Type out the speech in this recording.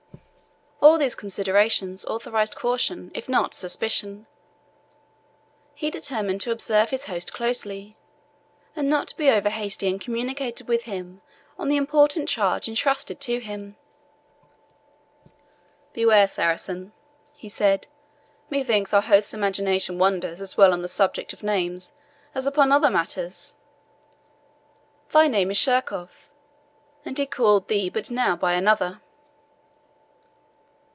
All these considerations authorized caution, if not suspicion. He determined to observe his host closely, and not to be over hasty in communicating with him on the important charge entrusted to him. "Beware, Saracen," he said; "methinks our host's imagination wanders as well on the subject of names as upon other matters. Thy name is Sheerkohf, and he called thee but now by another."